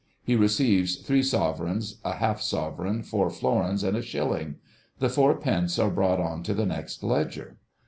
He receives three sovereigns, a half sovereign, four florins, and a shilling; the four pence are brought on to the next ledger.